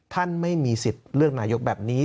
ไม่มีสิทธิ์เลือกนายกแบบนี้